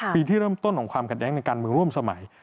ปีที่เริ่มต้นของความขัดแย้งในการเมืองร่วมสมัย